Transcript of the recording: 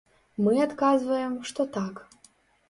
Мы адказваем, што так.